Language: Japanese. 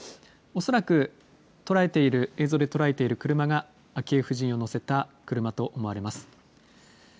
恐らく映像で捉えている車が、昭恵夫人を乗せた車と思われます。